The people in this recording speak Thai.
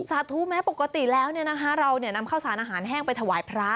สาธุแม้ปกติแล้วเรานำข้าวสารอาหารแห้งไปถวายพระ